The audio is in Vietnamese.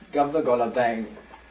gọi là vàng